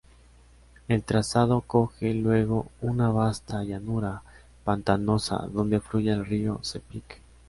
El trazado coge luego una vasta llanura pantanosa donde fluye el río Sepik.